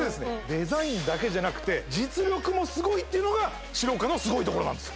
デザインだけじゃなくて実力もすごいっていうのがｓｉｒｏｃａのすごいところなんです